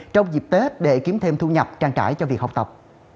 trong dịp tết để kiếm thêm thu nhập trang trải cho việc học tập